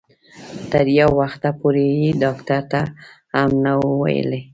تر یو وخته پورې یې ډاکټر ته هم نه وو ویلي.